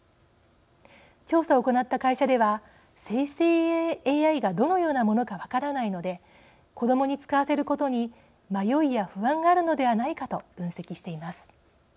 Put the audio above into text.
調査を行った会社では生成ＡＩがどのようなものか分からないので子どもに使わせることに迷いや不安があるのではないかと分析しています。